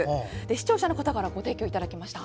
視聴者の方からご提供いただきました。